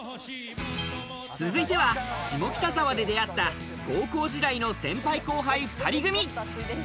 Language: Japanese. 続いては下北沢で出会った高校時代の先輩後輩２人組。